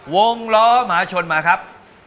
วงล้อมหาชนมาครับ